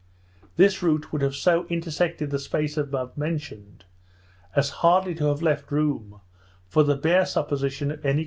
This route would have so intersected the space above mentioned, as hardly to have left room for the bare supposition of any land lying there.